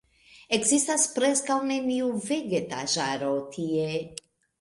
Ekzistas preskaŭ neniu vegetaĵaro tie.